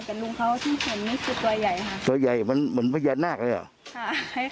แต่ลุงเขาที่เห็นนี่คือตัวใหญ่ค่ะตัวใหญ่มันเหมือนพญานาคเลยเหรอ